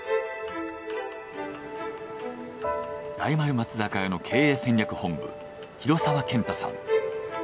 大丸松坂屋の経営戦略本部廣澤健太さん。